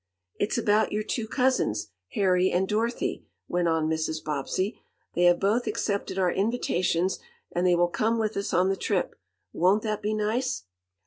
"It's about your two cousins Harry and Dorothy," went on Mrs. Bobbsey. "They have both accepted our invitations, and they will come with us on the trip! Won't that be nice?"